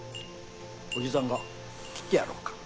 おじさんが切ってやろっか？